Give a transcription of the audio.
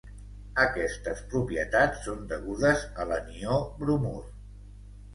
Aquestes propietats són degudes a l'anió bromur.